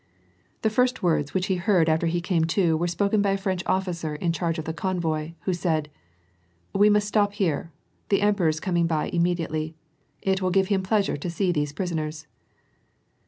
The first words which he heard after he came to were spoken Of a French officer in charge of the convoy, who said, —^ We must stop here ; the emperor is coming by immediately ; it will give him pleasure to see these prisoners."